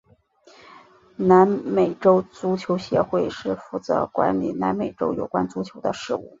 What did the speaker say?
南美洲足球协会是负责管理南美洲有关足球的事务。